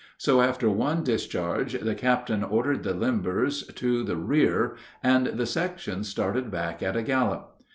So after one discharge the captain ordered the limbers to the rear, and the section started back at a gallop.